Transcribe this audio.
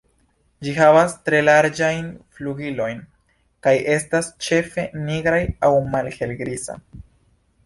Ĝi havas tre larĝajn flugilojn, kaj estas ĉefe nigra aŭ malhelgriza.